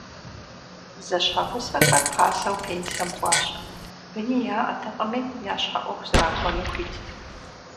Зэщхьэгъусэхэр пасэу пенсэм кӏуащ, быни яӏэтэкъыми, я щхьэ ӏуэху зэрахуэну хуитт.